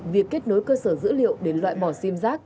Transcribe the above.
việc kết nối cơ sở dữ liệu để loại bỏ sim giác